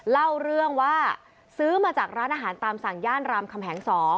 เล่าเรื่องว่าซื้อมาจากร้านอาหารตามสั่งย่านรามคำแหง๒